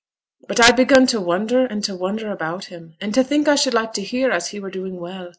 But I'd begun to wonder and to wonder about him, and to think I should like to hear as he were doing well.